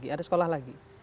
ada sekolah lagi